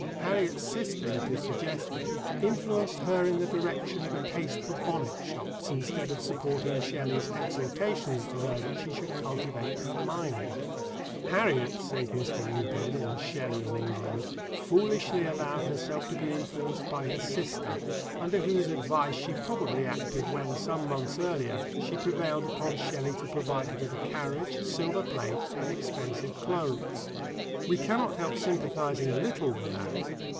Harriet's sister, it is suggested, influenced her in the direction of a taste for bonnet shops instead of supporting Shelley's exhortations to her that she should cultivate her mind. "Harriet," says Mr. Ingpen in Shelley in England, "foolishly allowed herself to be influenced by her sister, under whose advice she probably acted when, some months earlier, she prevailed upon Shelley to provide her with a carriage, silver plate and expensive clothes." We cannot help sympathizing a little with Harriet.